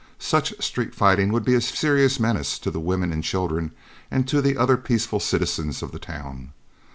Such street fighting would be a serious menace to the women and children and to the other peaceful citizens of the town.